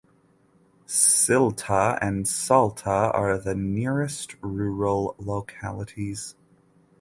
Silta and Salta are the nearest rural localities.